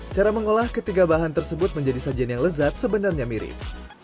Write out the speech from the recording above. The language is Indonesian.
cara mengolah ketiga bahan tersebut menjadi sajian yang lezat sebenarnya mirip